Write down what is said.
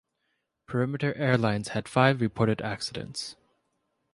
Perimeter Airlines has had five reported accidents.